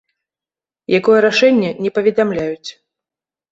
Якое рашэнне, не паведамляюць.